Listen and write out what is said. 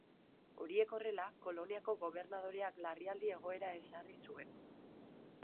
Horiek horrela, koloniako gobernadoreak larrialdi egoera ezarri zuen.